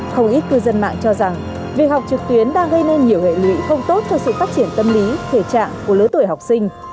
không ít cư dân mạng cho rằng việc học trực tuyến đang gây nên nhiều hệ lụy không tốt cho sự phát triển tâm lý thể trạng của lứa tuổi học sinh